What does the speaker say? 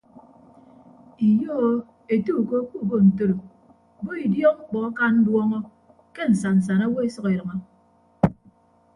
Iyo o ete uko kuubo ntoro bo idiọk mkpọ aka nduọñọ ke nsan nsan awo esʌk edʌñọ.